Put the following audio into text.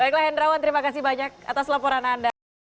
baiklah hendrawan terima kasih banyak atas laporan anda